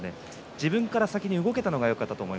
自分から先に動けたのがよかった